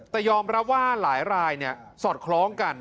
แต่ยอมรับว่าหลายรายสอดคล้องกัน